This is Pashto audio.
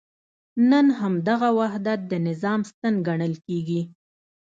نن همدغه وحدت د نظام ستن ګڼل کېږي.